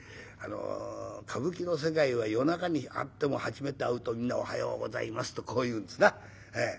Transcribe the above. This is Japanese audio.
歌舞伎の世界は夜中に会っても初めて会うとみんな「おはようございます」とこう言うんですな。